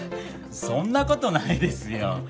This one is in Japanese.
そんな事ないですよ。